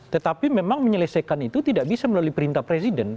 tetapi memang menyelesaikan itu tidak bisa melalui perintah presiden